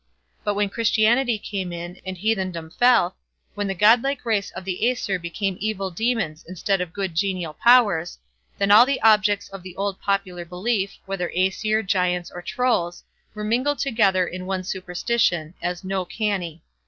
But when Christianity came in, and heathendom fell; when the godlike race of the Aesir became evil demons instead of good genial powers, then all the objects of the old popular belief, whether Aesir, Giants, or Trolls, were mingled together in one superstition, as "no canny".